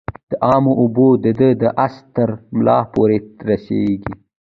د امو اوبه د ده د آس ترملا پوري رسیږي.